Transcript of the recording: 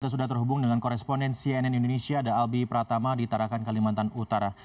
kita sudah terhubung dengan koresponden cnn indonesia ada albi pratama di tarakan kalimantan utara